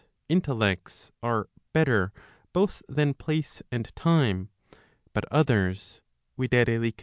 e. intellects] are better both than place and time, but others [viz.